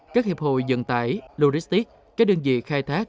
các hiệp hội dựng tải logistic các đơn vị khai thác